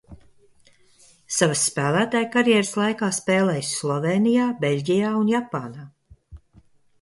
Savas spēlētāja karjeras laikā spēlējis Slovēnija, Beļģijā un Japānā.